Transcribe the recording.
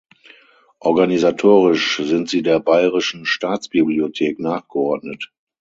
Organisatorisch sind sie der Bayerischen Staatsbibliothek nachgeordnet.